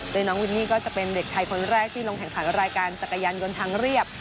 โดยน้องวินนี่ก็จะเป็นเด็กไทยคนแรกที่ลงแข่งขันรายการจักรยานยนต์ทางเรียบ